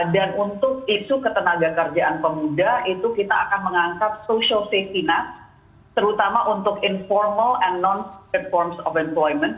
dan untuk isu ketenaga kerjaan pemuda itu kita akan mengangkat social safety net terutama untuk informal and non formal employment